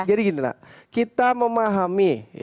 jadi gini nana kita memahami